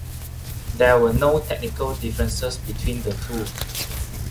There were no technical differences between the two.